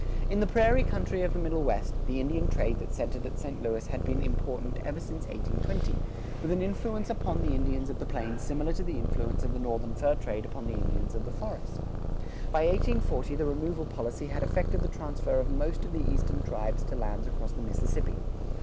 In the prairie country of the Middle West, the Indian trade that centered at St. Louis had been important ever since 1820, with an influence upon the Indians of the plains similar to the influence of the northern fur trade upon the Indians of the forest. By 1840 the removal policy had effected the transfer of most of the eastern tribes to lands across the Mississippi.